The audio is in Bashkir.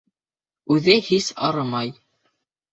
Үҙе һис арымай.